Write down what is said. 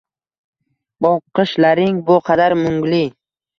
Boqishlaring bu qadar mungli?